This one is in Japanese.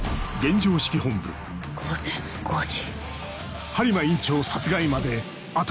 午前５時。